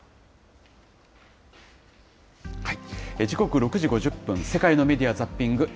時刻６時５０分、世界のメディア・ザッピング。